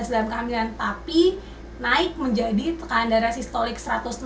dan kehamilan tapi naik menjadi tekanan darah sistolik satu ratus enam puluh